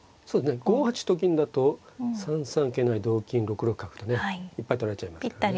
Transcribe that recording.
５八と金だと３三桂成同金６六角とねいっぱい取られちゃいますからね。